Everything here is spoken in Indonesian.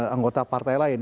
anggota partai lain